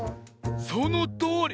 そのとおり！